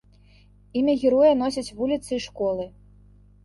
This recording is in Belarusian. Імя героя носяць вуліцы і школы.